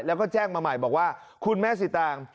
แล้วก็แจ้งมาใหม่บอกว่าคุณแม่สิตาง